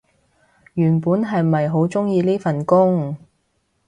原本係咪好鍾意呢份工